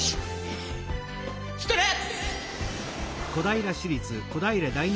ストレッ！